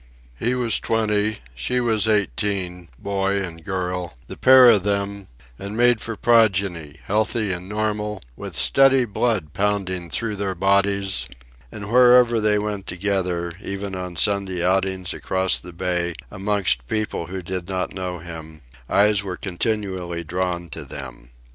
He was twenty, she was eighteen, boy and girl, the pair of them, and made for progeny, healthy and normal, with steady blood pounding through their bodies; and wherever they went together, even on Sunday outings across the bay amongst people who did not know him, eyes were continually drawn to them.